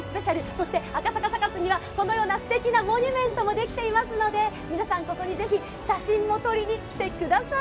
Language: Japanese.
そして赤坂サカスには、このようにすてきなモニュメントもできていますので、皆さん、ここに是非写真も撮りに来てください。